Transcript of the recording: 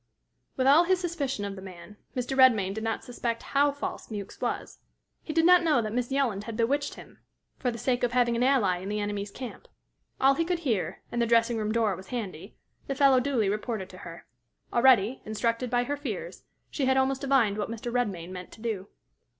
With all his suspicion of the man, Mr. Redmain did not suspect how false Mewks was: he did not know that Miss Yolland had bewitched him for the sake of having an ally in the enemy's camp. All he could hear and the dressing room door was handy the fellow duly reported to her. Already, instructed by her fears, she had almost divined what Mr. Redmain meant to do.